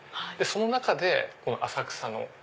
その中でこの浅草の。